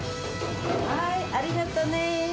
はい、ありがとねぇ。